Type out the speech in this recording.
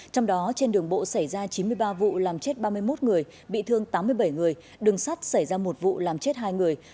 trong đó trên đường bộ xảy ra chín mươi ba vụ làm chết ba mươi một người bị thương tám mươi bảy người đường sắt xảy ra một vụ làm chết hai người